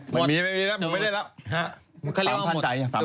ไม่มีแล้วหมู่ไปได้แล้ว